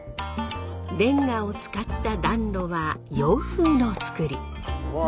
レンガを使った暖炉は洋風の造り。